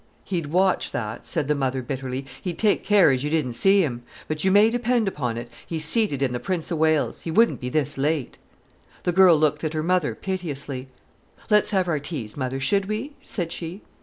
"He'd watch that," said the mother bitterly, "he'd take care as you didn't see him. But you may depend upon it, he's seated in the 'Prince o' Wales'. He wouldn't be this late." The girl looked at her mother piteously. "Let's have our teas, mother, should we?" said she.